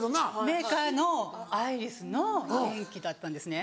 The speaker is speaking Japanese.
メーカーのアイリスの電気だったんですね。